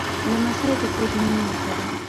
لمسی د کور د مینې نښه ده.